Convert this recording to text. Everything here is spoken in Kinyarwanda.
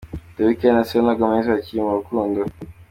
The weekend na Selena Gomez bakiri mu rukundo.